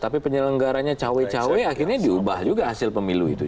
tapi penyelenggaranya cawe cawe akhirnya diubah juga hasil pemilu itu